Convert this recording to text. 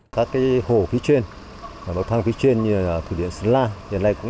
các hồ phía trên bậc thang phía trên như thủy điện sơn lan